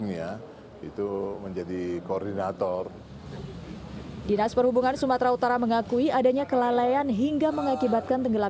jadi naik saya ke permukaan saya tengok kalau saya udah diatas semua